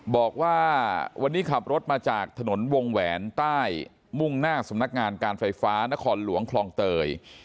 บอกว่าวันนี้ขับรถมาจากถนนวงแหวนใต้มุ่งหน้าสำนักงานการไฟฟ้านครหลวงคลองเตย